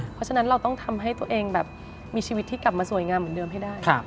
เพราะฉะนั้นเราต้องทำให้ตัวเองแบบมีชีวิตที่กลับมาสวยงามเหมือนเดิมให้ได้